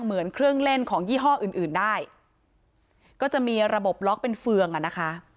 เหมือนเครื่องเล่นของยี่ห้ออื่นอื่นได้ก็จะมีระบบล็อกเป็นเฟืองอ่ะนะคะ